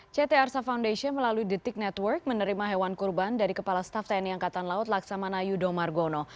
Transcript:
kepala dinas penerangan angkatan laut laksamana iudomar gono